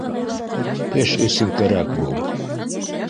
Эш өсөн кәрәк был